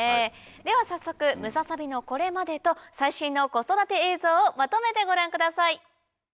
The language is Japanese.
では早速ムササビのこれまでと最新の子育て映像をまとめてご覧ください。